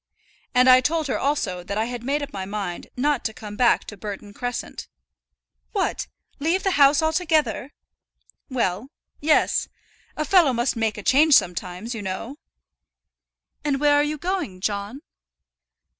"And I told her also that I had made up my mind not to come back to Burton Crescent." "What! leave the house altogether!" "Well; yes. A fellow must make a change sometimes, you know." "And where are you going, John?"